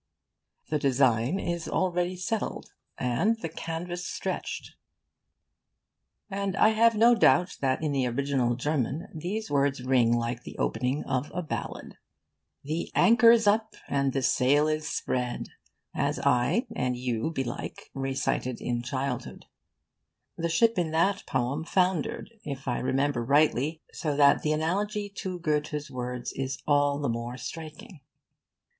'The design is already settled, and the canvas stretched'; and I have no doubt that in the original German these words ring like the opening of a ballad. 'The anchor's up and the sail is spread,' as I (and you, belike) recited in childhood. The ship in that poem foundered, if I remember rightly; so that the analogy to Goethe's words is all the more striking.